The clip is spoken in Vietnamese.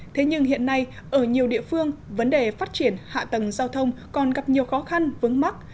thế nhưng hiện nay ở nhiều địa phương vấn đề phát triển hạ tầng giao thông còn gặp nhiều khó khăn vướng mắt